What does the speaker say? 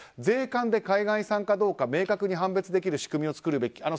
税関で海外産かどうか明確に判別できる仕組みを作るべき。